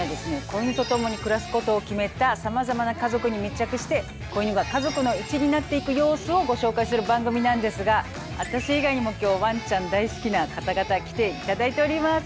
子犬と共に暮らすことを決めたさまざまな家族に密着して子犬が家族の一員になっていく様子をご紹介する番組なんですが私以外にも今日ワンちゃん大好きな方々来ていただいております！